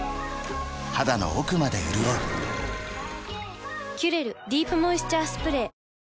肌の奥まで潤う「キュレルディープモイスチャースプレー」